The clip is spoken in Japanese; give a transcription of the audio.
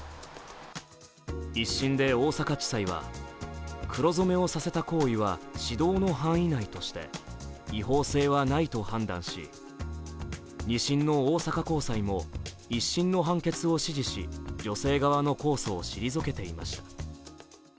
一審で大阪地裁は黒染めをさせた行為は指導の範囲内として、違法性はないと判断し、二審の大阪高裁も一審の判決を支持し、女性側の控訴を退けていました。